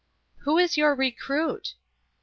"Who is your re cruit ?